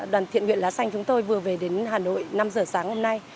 đoàn thiện nguyện lá xanh chúng tôi vừa về đến hà nội năm giờ sáng hôm nay